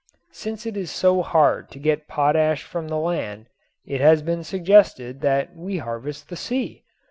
Since it is so hard to get potash from the land it has been suggested that we harvest the sea.